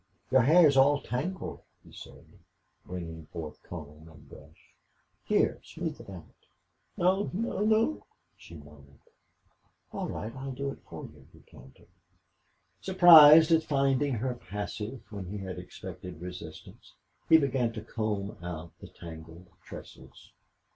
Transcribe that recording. "Your hair is all tangled," he said, bringing forth comb and brush. "Here, smooth it out." "No no no," she moaned. "All right, I'll do it for you," he countered. Surprised at finding her passive when he had expected resistance, he began to comb out the tangled tresses.